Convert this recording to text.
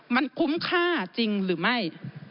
มันคุ้มค่าจริงหรือไม่